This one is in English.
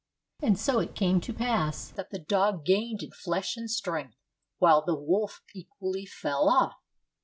And so it came to pass that the dog gained in flesh and strength, while the wolf equally fell oflf.